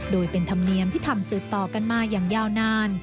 โดยเป็นธรรมเนียมที่ทำสืบต่อกันมาอย่างยาวนาน